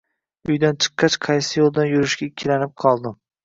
Uydan chiqqach, qaysi yo`ldan yurishga ikkilanib qoldim